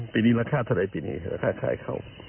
ปีนี้ราคาเท่าไรราคาทายเขา